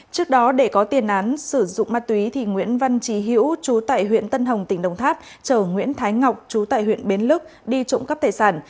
trước đó để có tiền án sử dụng ma túy nguyễn văn trí hữu chú tại huyện tân hồng tỉnh đồng tháp chở nguyễn thái ngọc chú tại huyện bến lức đi trộm cắp tài sản